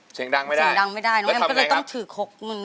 เสียงดังไม่ได้แล้วทำไงครับก็เลยต้องถือขกมือ